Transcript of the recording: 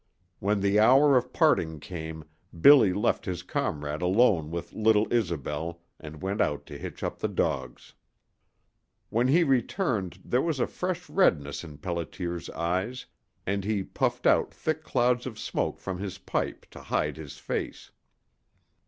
When the hour of parting came Billy left his comrade alone with little Isobel and went out to hitch up the dogs. When he returned there was a fresh redness in Pelliter's eyes, and he puffed out thick clouds of smoke from his pipe to hide his face.